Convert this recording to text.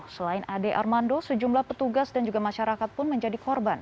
selain ade armando sejumlah petugas dan juga masyarakat pun menjadi korban